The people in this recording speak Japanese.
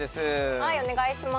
はいお願いします。